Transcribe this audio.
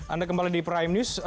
anda kembali di prime news